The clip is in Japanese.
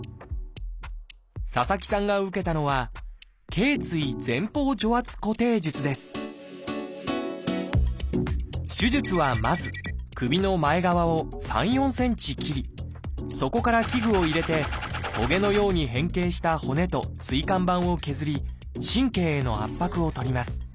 佐々木さんが受けたのは手術はまず首の前側を３４ｃｍ切りそこから器具を入れてトゲのように変形した骨と椎間板を削り神経への圧迫を取ります。